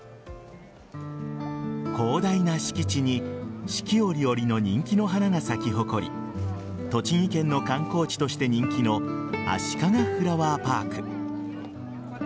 広大な敷地に四季折々の人気の花が咲き誇り栃木県の観光地として人気のあしかがフラワーパーク。